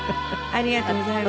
ありがとうございます。